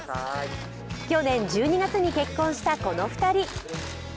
去年１２月に結婚したこの２人。